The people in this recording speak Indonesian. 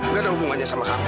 nggak ada hubungannya sama hp